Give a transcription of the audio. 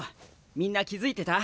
みんな気付いてた？